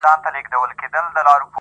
• یو لوی ډنډ وو تر سایو د ونو لاندي -